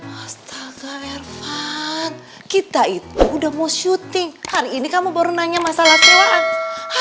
astaga irvan kita itu udah mau syuting hari ini kamu baru nanya masalah sewaan